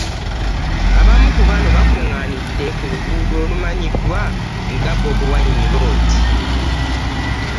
Abamu ku bano baakungaanidde ku luguudo olumanyiddwa nga Bobi Wine road.